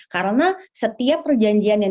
karena setiap perjanjian yang